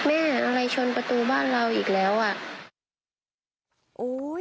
แม่อะไรชนประตูบ้านเราอีกแล้ว